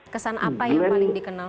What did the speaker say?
kesan apa yang paling dikenal